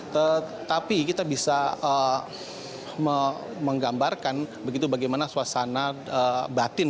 tetapi kita bisa menggambarkan begitu bagaimana suasana batin